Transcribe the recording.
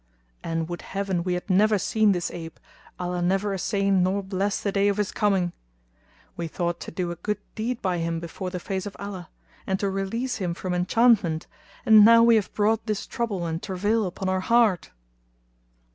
And would Heaven we had never seen this ape, Allah never assain nor bless the day of his coming! We thought to do a good deed by him before the face of Allah,[FN#251] and to release him from enchantment, and now we have brought this trouble and travail upon our heart."